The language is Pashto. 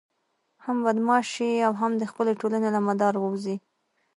هم بدماش شي او هم د خپلې ټولنې له مدار ووزي.